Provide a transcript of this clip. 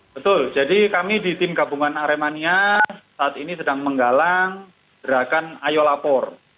betul jadi kami di tim gabungan aremania saat ini sedang menggalang gerakan ayo lapor